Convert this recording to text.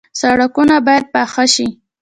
سړکونه باید پاخه شي